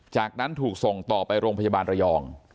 จากนั้นถูกส่งต่อไปโรงพยาบาลระยอง